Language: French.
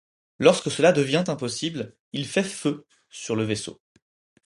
Lorsque cela devient impossible, il fait feu sur le vaisseau.